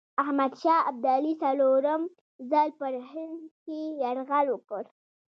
احمدشاه ابدالي څلورم ځل پر هند یرغل وکړ.